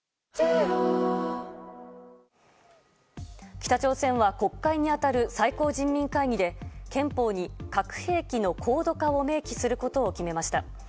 北朝鮮は国会に当たる最高人民会議で憲法に核兵器の高度化を明記することを決めました。